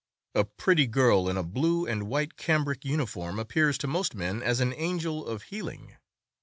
A pretty girl in a blue and white cambric uniform appears to most men as an angel of healing.